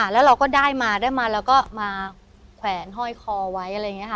แล้วเราก็ได้มาได้มาเราก็มาแขวนห้อยคอไว้อะไรอย่างนี้ค่ะ